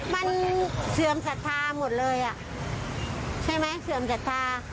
มันเสื่อมศรัทธาหมดเลยอ่ะใช่ไหมเสื่อมศรัทธา